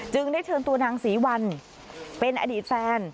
ได้เชิญตัวนางศรีวัลเป็นอดีตแฟน